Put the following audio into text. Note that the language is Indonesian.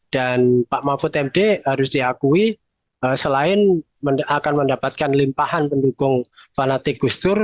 dan pak mahfud md harus diakui selain akan mendapatkan limpahan pendukung fanatik kustur